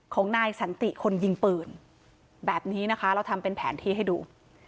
ของนายสันติคนยิงปืนแบบนี้นะคะเราทำเป็นแผนที่ให้ดู